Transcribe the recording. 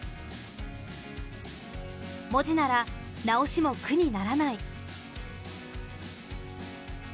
文字なら直しも苦にならない。